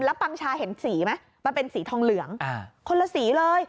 แล้วปังชาเห็นสีไหมมันเป็นสีทองเหลืองคนละสีเลย